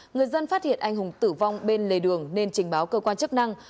người dân phát hiện anh hùng tử vong bên lề đường nên trình báo cơ quan chức năng